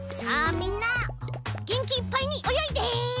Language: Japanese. みんなげんきいっぱいにおよいで。